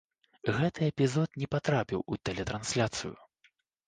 Гэты эпізод не патрапіў у тэлетрансляцыю.